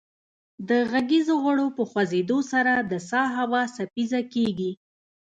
د غږیزو غړو په خوځیدو سره د سا هوا څپیزه کیږي